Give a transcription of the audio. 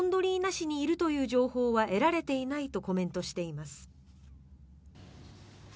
市にいるという情報は得られていないとコメントしています。